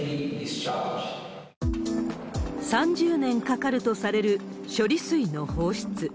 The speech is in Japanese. ３０年かかるとされる、処理水の放出。